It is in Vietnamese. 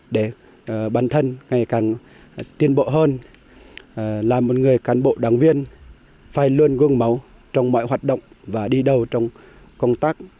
để bản thân ngày càng tiến bộ hơn làm một người cán bộ đáng viên phải luôn gương máu trong mọi hoạt động và đi đầu trong công tác